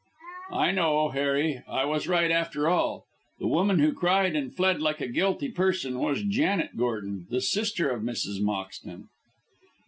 "I know, Harry. I was right, after all. The woman who cried and fled like a guilty person was Janet Gordon, the sister of Mrs. Moxton."